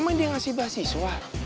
sama dia yang ngasih beasiswa